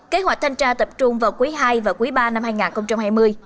kế hoạch thanh tra tập trung vào quý ii và quý iii năm hai nghìn hai mươi